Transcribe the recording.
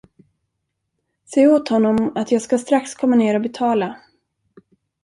Säg åt honom att jag ska strax komma ner och betala.